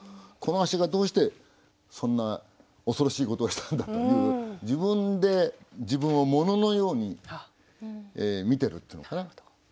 この足がどうしてそんな恐ろしいことをしたんだという自分で自分を物のように見てるっていうのかな。